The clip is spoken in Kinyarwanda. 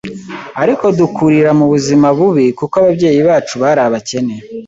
ariko dukurira mu buzima bubi kuko ababyeyi bacu bari abakene